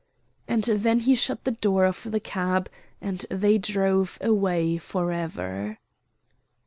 And then he shut the door of the cab, and they drove away forever.